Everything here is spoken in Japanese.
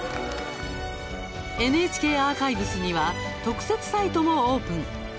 ＮＨＫアーカイブスには特設サイトもオープン。